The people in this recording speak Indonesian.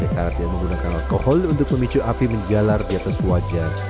karena dia menggunakan alkohol untuk memicu api menjalar di atas wajar